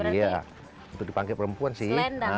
iya untuk dipakai perempuan sih